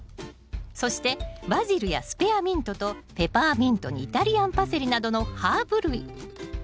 そしてバジルやスペアミントとペパーミントにイタリアンパセリなどのハーブ類。